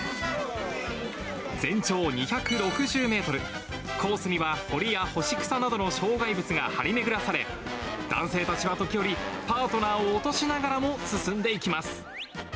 全長２６０メートル、コースには堀や干し草などの障害物が張り巡らされ、男性たちは時折、パートナーを落としながらも進んでいきます。